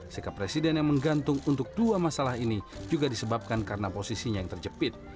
sikap presiden yang menggantung untuk dua masalah ini juga disebabkan karena posisinya yang terjepit